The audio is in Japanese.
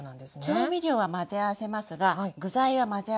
調味料は混ぜ合わせますが具材は混ぜ合わせません。